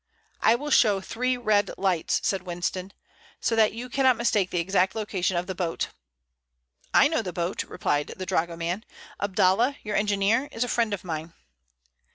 "I will show three red lights," said Winston, "so that you cannot mistake the exact location of the boat." "I know the boat," replied the dragoman. "Abdallah, your engineer, is a friend of mine."